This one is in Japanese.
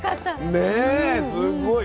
ねすごい。